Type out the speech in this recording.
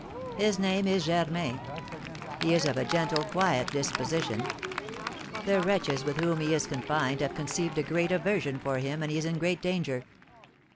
His name is Germain; he is of a gentle, quiet disposition. The wretches with whom he is confined have conceived a great aversion for him, and he is in great danger.